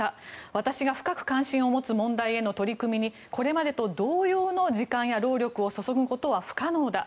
私が深く関心を持つ問題への取り組みにこれまでと同様の時間や労力を注ぐことは不可能だ。